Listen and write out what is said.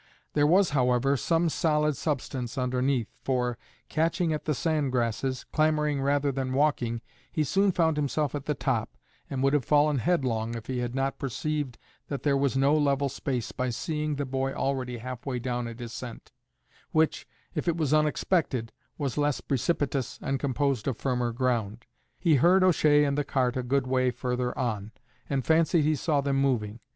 There was, however, some solid substance underneath, for, catching at the sand grasses, clambering rather than walking, he soon found himself at the top, and would have fallen headlong if he had not perceived that there was no level space by seeing the boy already half way down a descent, which, if it was unexpected, was less precipitous, and composed of firmer ground. He heard O'Shea and the cart a good way further on, and fancied he saw them moving.